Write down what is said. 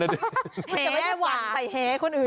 มันจะไม่ได้หวั่นใส่เฮคนอื่น